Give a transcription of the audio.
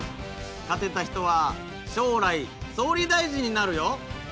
勝てた人は将来総理大臣になるよ。